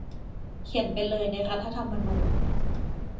เขียนไปเลยในรัฐธรรมนูญ